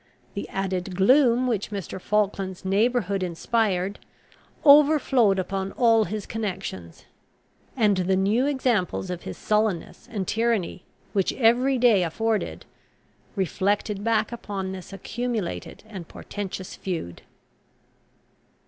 The added gloom which Mr. Falkland's neighbourhood inspired, overflowed upon all his connections; and the new examples of his sullenness and tyranny which every day afforded, reflected back upon this accumulated and portentous feud.